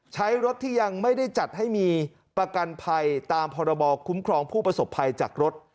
ใช้รถที่ยังไม่ได้จัดให้มีประกันภัยตามพรบคุ้มครองผู้ประสบภัยจากรถ